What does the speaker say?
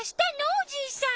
おじいさん。